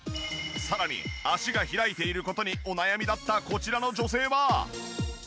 さらに脚が開いている事にお悩みだったこちらの女性は。